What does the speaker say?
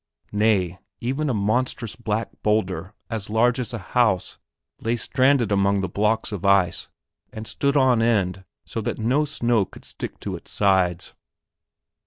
Nay, even a monstrous black boulder as large as a house lay stranded among the blocks of ice and stood on end so that no snow could stick to its sides.